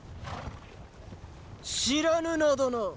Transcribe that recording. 知らぬ名だな。